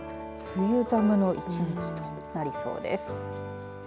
梅雨寒の１日となりそうです。